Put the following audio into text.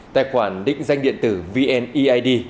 tài khoản định danh điện tử vneid